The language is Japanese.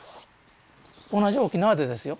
同じ沖縄でですよ